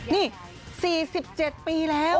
นี่๔๗ปีแล้ว